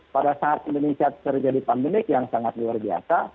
pada saat indonesia terjadi pandemik yang sangat luar biasa